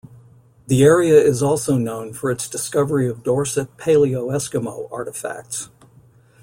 The area is also known for its discovery of Dorset Paleoeskimo artifacts.